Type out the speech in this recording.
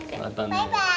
バイバイ！